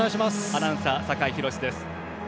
アナウンサーは酒井博司です。